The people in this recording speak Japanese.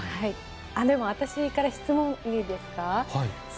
でも、私から質問いいですか？